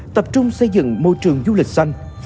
tập trung xây dựng môi trường du lịch xanh